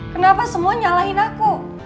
kenapa semua nyalahin aku